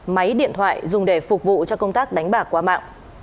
máy điện thoại dùng để phục vụ cho công tác đánh bạc qua mạng